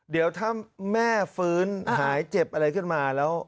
เดี๋ยวถ้าแม่ฟื้นหายเจ็บอะไรขึ้นมาแล้ว